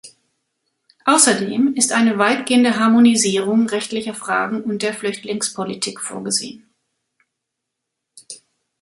Außerdem ist eine weitgehende Harmonisierung rechtlicher Fragen und der Flüchtlingspolitik vorgesehen.